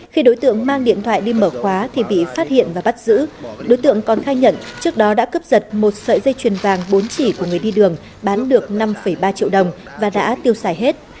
khi đối tượng mang điện thoại đi mở khóa thì bị phát hiện và bắt giữ đối tượng còn khai nhận trước đó đã cướp giật một sợi dây chuyền vàng bốn chỉ của người đi đường bán được năm ba triệu đồng và đã tiêu xài hết